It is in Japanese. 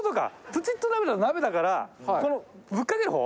プチッと鍋だと鍋だからこのぶっかける方？